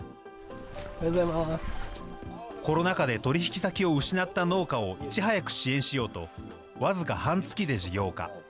コロナ禍で取り引き先を失った農家をいち早く支援しようと、僅か半月で事業化。